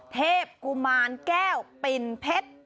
เทพกุมารแก้วปิ่นเพชร